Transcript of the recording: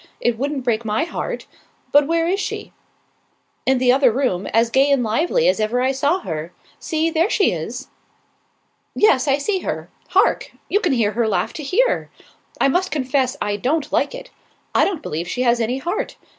It wouldn't break my heart. But where is she?" "In the other room, as gay and lively as ever I saw her. See, there she is." "Yes, I see her. Hark! You can hear her laugh to here. I must confess I don't like it. I don't believe she has any heart.